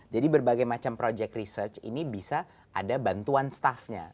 jadi berbagai macam project research ini bisa ada bantuan staffnya